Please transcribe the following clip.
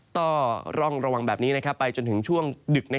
ต้องระวังแบบนี้ไปจนถึงช่วงดึก